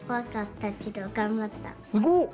すごっ！